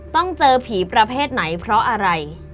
ต้องเจอผีประเภทไหนเพราะอะไร